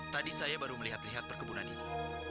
tadi saya baru melihat lihat perkebunan ini